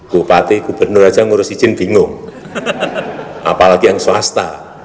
bupati gubernur aja ngurus izin bingung apalagi yang swasta